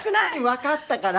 分かったから。